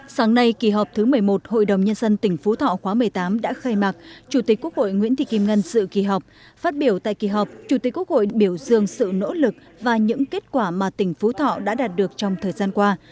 sáng nay kỳ họp thứ một mươi một hội đồng nhân dân tỉnh phú thọ khóa một mươi tám đã khai mạc chủ tịch quốc hội nguyễn thị kim ngân dự kỳ họp phát biểu tại kỳ họp chủ tịch quốc hội biểu dương sự nỗ lực và những kết quả mà tỉnh phú thọ đã đạt được trong thời gian qua